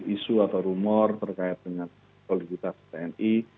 isu atau rumor terkait dengan soliditas tni